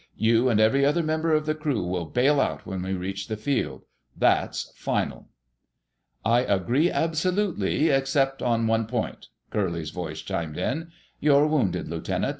You and every other member of the crew will bail out when we reach the field. That's final!" "I agree absolutely, except on one point," Curly's voice chimed in. "You're wounded, Lieutenant.